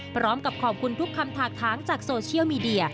พร้อมกับขอบคุณทุกคำถากท้างจากโซเชียลมีเดีย